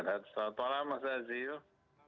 assalamualaikum mas jazil